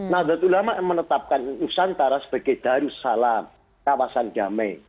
nahdlatul ulama menetapkan nusantara sebagai darussalam kawasan damai